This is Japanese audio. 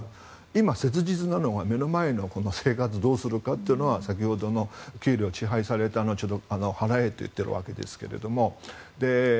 今、切実なのは目の前の生活をどうするかというのは先ほどの給料遅配された、払えと言っているわけですから。